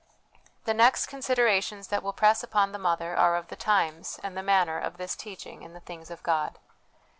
The next considerations that will press upon the mother are of the times, and the manner, 348 HOME EDUCATION of this teaching in the things of God.